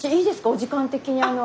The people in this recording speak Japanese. お時間的にあの。